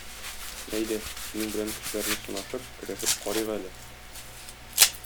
Әйдә, синең белән көчләрне сынашып, көрәшеп карыйк әле.